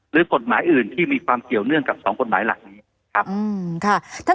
หรือกฎหมายอื่นที่มีความเกี่ยวเนื่องกับสองกฎหมายหลักนี้ครับ